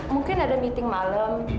mungkin ada meeting malam